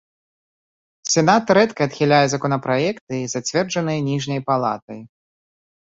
Сенат рэдка адхіляе законапраекты, зацверджаныя ніжняй палатай.